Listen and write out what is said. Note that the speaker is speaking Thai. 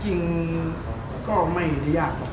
จริงก็ไม่ได้ยากหรอก